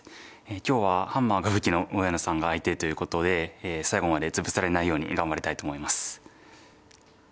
今日はハンマーが武器の上野さんが相手ということで最後までツブされないように頑張りたいと思います。